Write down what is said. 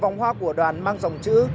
vòng hoa của đoàn mang dòng chữ